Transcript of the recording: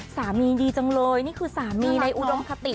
สามีดีจังเลยนี่คือสามีในอุดมคติ